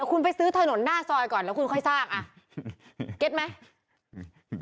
คุณไปซื้อถนนหน้าซอยก่อนแล้วคุณค่อยสร้างอ่ะเก็ตไหม